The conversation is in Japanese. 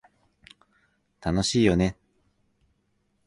楽しいよね